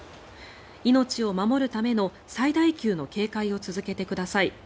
命を守るための最大級の警戒を続けてください。